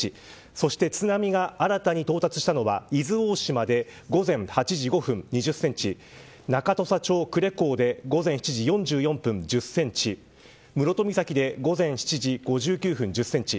そして津波が新たに到達したのは伊豆大島で午前８時５分に１０センチ中土佐町久礼港で午前７時４４分、１０センチ室戸岬で午前７時５９分１０センチ